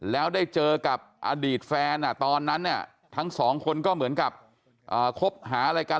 แล้วได้เจอกับอดีตแฟนตอนนั้นทั้งสองคนก็เหมือนกับคบหาอะไรกัน